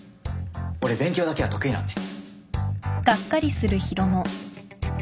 俺勉強だけは得意なんで。